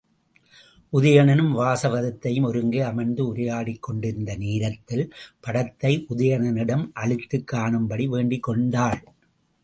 உதயணனும் வாசவதத்தையும் ஒருங்கே அமர்ந்து உரையாடிக் கொண்டிருந்த நேரத்தில் படத்தை உதயணனிடம் அளித்துக் காணும்படி வேண்டிக் கொண்டாள்.